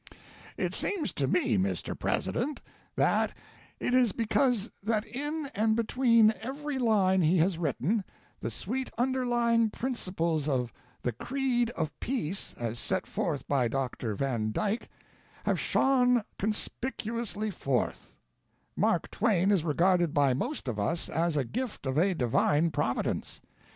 "It seems to me, Mr. President, that it is because that in and between every line he has written, the sweet underlying principles of the creed of peace, as set forth by Dr. Van Dyke, have shone conspicuously forth, Mark Twain is regarded by most of us as a gift of divine Providence.